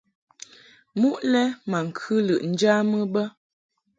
Muʼ lɛ ma ŋkɨ lɨʼ njamɨ bə.